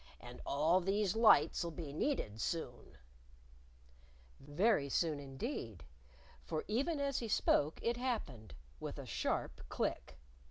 And all these lights'll be needed soon." Very soon, indeed. For even as he spoke it happened with a sharp click.